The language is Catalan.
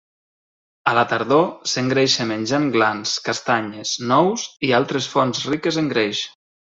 A la tardor, s'engreixa menjant glans, castanyes, nous i altres fonts riques en greix.